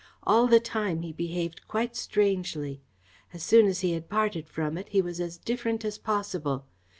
All the time he behaved quite strangely. As soon as he had parted from it, he was as different as possible.